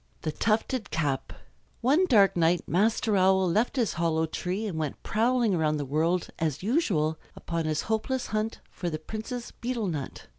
THE TUFTED CAP One dark night Master Owl left his hollow tree and went prowling about the world as usual upon his hopeless hunt for the Princess's betel nut.